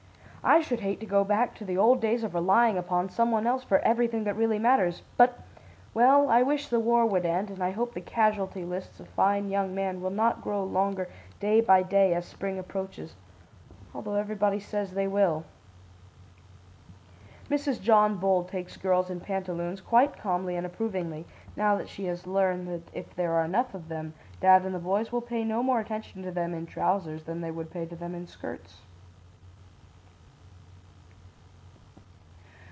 'I should hate to go back to the old days of relying upon some one else for everything that really matters. But well, I wish the war would end and I hope the casualty lists of fine young men will not grow longer, day by day, as Spring approaches, although everybody says they will.' "Mrs. John Bull takes girls in pantaloons quite calmly and approvingly, now that she has learned that if there are enough of them, dad and the boys will pay no more attention to them in trousers than they would pay to them in skirts."